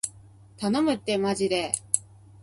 頼むってーまじで